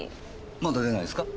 まだ出ないですか？